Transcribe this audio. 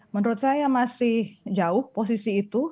menurut saya masih jauh posisi itu